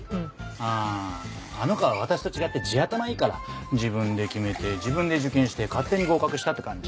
ああの子は私と違って地頭いいから自分で決めて自分で受験して勝手に合格したって感じ。